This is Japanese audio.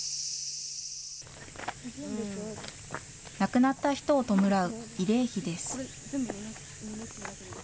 亡くなった人を弔う慰霊碑です。